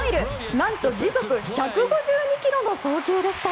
何と時速１５２キロの送球でした。